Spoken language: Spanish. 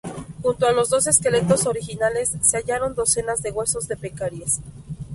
Junto a los dos esqueletos originales se hallaron docenas de huesos de pecaríes.